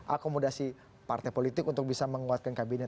akomodasi partai politik untuk bisa menguatkan kabinet